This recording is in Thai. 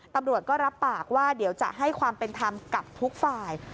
ตำรวจก็รับปากว่าเดี๋ยวจะให้ความเป็นธรรมกับทุกฝ่าย